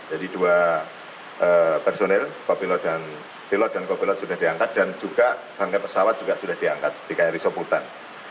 jadi dua personel kopilot dan pilot sudah diangkat dan juga rangka pesawat juga sudah diangkat di kri soputan